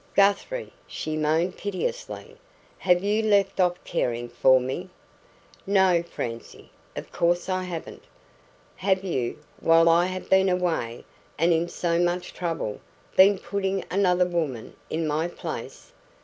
"Guthrie," she moaned piteously, "have you left off caring for me?" "No, Francie. Of course I haven't." "Have you while I have been away, and in so much trouble been putting another woman in my place?"